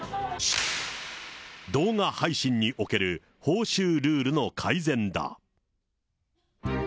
動画配信における報酬ルールの改善だ。